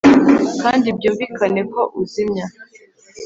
kandi byumvikane ko uzimya,